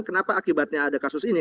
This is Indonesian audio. kenapa akibatnya ada kasus ini